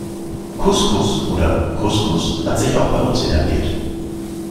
Couscous oder Kuskus hat sich auch bei uns etabliert.